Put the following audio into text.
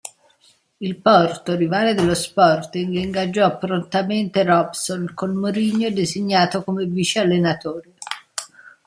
Il Porto, rivale dello Sporting, ingaggiò prontamente Robson, con Mourinho designato come vice allenatore.